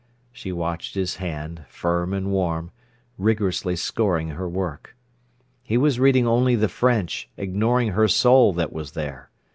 She watched his hand, firm and warm, rigorously scoring her work. He was reading only the French, ignoring her soul that was there.